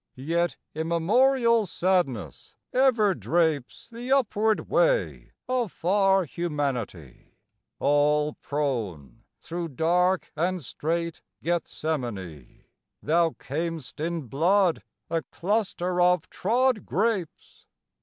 Yet immemorial sadness ever drapes The upward way of far humanity: All prone through dark and strait Gethsemane Thou cam'st in blood, a cluster of trod grapes!